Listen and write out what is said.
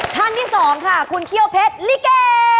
ท่านที่๒ค่ะคุณเขี้ยวเพชรลิเก